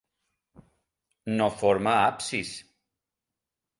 No forma absis.